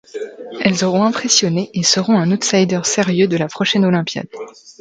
Elles auront impressionné et seront un outsider sérieux de la prochaine olympiade.